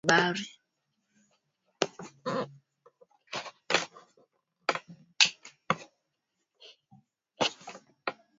jeshi la jamhuri ya kidemokrasia ya Kongo kwa waandishi wa habari